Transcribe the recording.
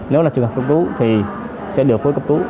nếu là trường hợp cấp cứu thì sẽ được phối cấp cứu